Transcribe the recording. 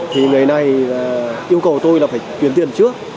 thì người này yêu cầu tôi là phải chuyển tiền trước